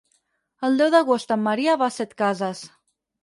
El deu d'agost en Maria va a Setcases.